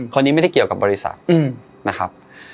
คนนี้ไม่ได้เกี่ยวกับบริษัทนะครับ